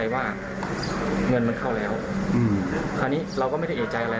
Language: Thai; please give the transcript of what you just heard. ว่าเงินมันเข้าแล้วคราวนี้เราก็ไม่ได้เอกใจอะไร